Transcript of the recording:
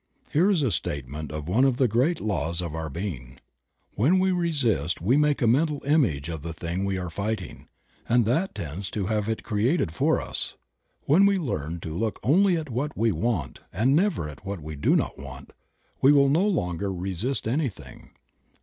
Here is a statement of one of the great laws of our being. When we resist we make a mental image of the thing we are fighting, and that tends to have it created for us. When we learn to look only at what we want and never at what we do not want, we will no longer resist anything.